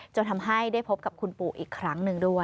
จนทำให้ได้พบกับคุณปู่อีกครั้งหนึ่งด้วย